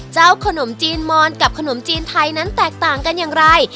ขนมจีนมอนกับขนมจีนไทยนั้นแตกต่างกันอย่างไร